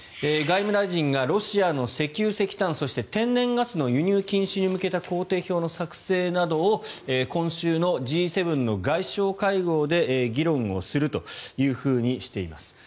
外務大臣がロシアの石油、石炭そして天然ガスの輸入禁止に向けた工程表の作成などを今週のＧ７外相会合で議論をするとしています。